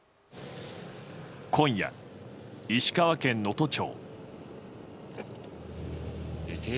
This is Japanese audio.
今夜、石川県能登町。